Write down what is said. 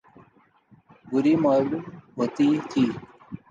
بھری معلوم ہوتی تھی ۔